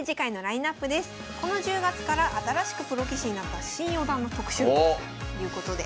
この１０月から新しくプロ棋士になった新四段の特集ということで。